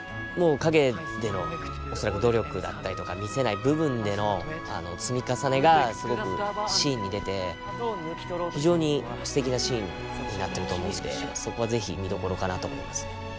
もう陰での努力だったりとか見せない部分での積み重ねがすごくシーンに出て非常にすてきなシーンになってると思うんでそこは是非見どころかなと思いますね。